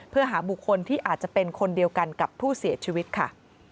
เพื่อหาบุคคลที่อาจจะเป็นคนเดียวกันกับผู้เสียชีวิตค่ะ